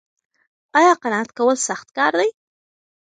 ایا قناعت کول سخت کار دی؟